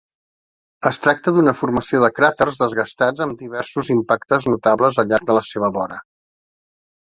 Es tracta d'una formació de cràters desgastats amb diversos impactes notables al llarg de la seva vora.